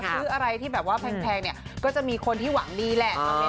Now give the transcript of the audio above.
ซื้ออะไรที่แบบว่าแพงเนี่ยก็จะมีคนที่หวังดีแหละ